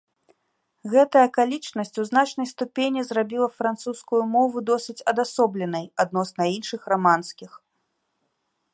Гэтая акалічнасць у значнай ступені зрабіла французскую мову досыць адасобленай адносна іншых раманскіх.